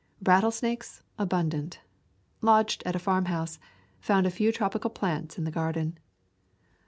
Rattlesnakes abundant. Lodged at a farmhouse. Found a few tropical plants in the garden.